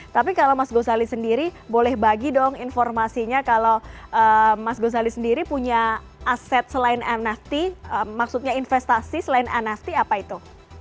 tapi kalau mas gozali sendiri boleh bagi dong informasinya kalau mas gozali sendiri punya aset selain nft maksudnya investasi selain nft apa itu